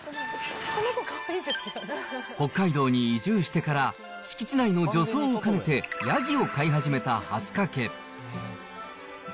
北海道に移住してから、敷地内の除草を兼ねて、ヤギを飼い始めた蓮香家。